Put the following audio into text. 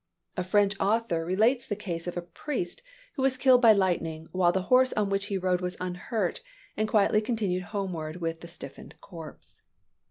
A French author relates the case of a priest who was killed by lightning, while the horse on which he rode was unhurt, and quietly continued homeward with the stiffened corpse.